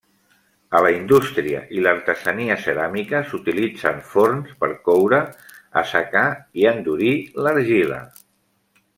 A la indústria i l'artesania ceràmica s'utilitzen forns per coure, assecar i endurir l'argila.